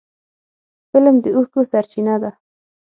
فلم د اوښکو سرچینه ده